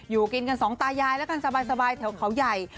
อยู่กินกันสองตายายแล้วกันสบายแถวเขาใหญ่